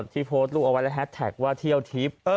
ที่โพสต์ลูกเอาไว้แล้วแฮชแท็กว่าเที่ยวทริป